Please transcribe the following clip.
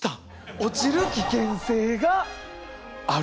落ちる危険性がある。